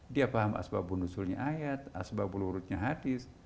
dia paham asbab undusulnya ayat asbab bulurutnya hadis